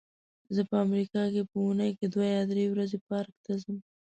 زه په امریکا کې په اوونۍ کې دوه یا درې ورځې پارک ته ځم.